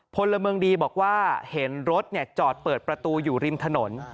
พลเมืองดีบอกว่าเห็นรถจอดเปิดประตูอยู่ริมถนน